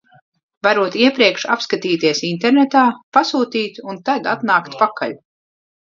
Varot iepriekš apskatīties internetā, pasūtīt un tad atnākt pakaļ.